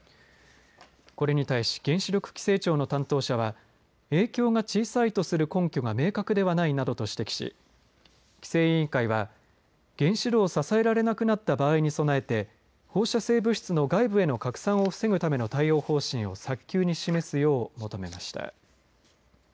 これに対し原子力規制庁の担当者は影響が小さいとする根拠が明確ではないなどと指摘し規制委員会は原子炉を支えられなくなった場合に備えて放射性物質の外部への拡散を防ぐための対応方針を早急に示すよう求めました。